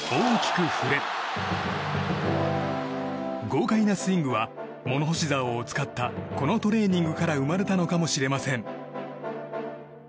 豪快なスイングは物干しざおを使ったこのトレーニングから生まれたのかもしれません。